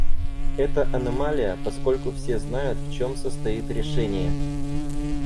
Это аномалия, поскольку все знают, в чем состоит решение.